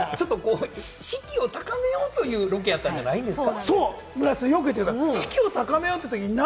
士気を高めようというロケやったんやないんですか？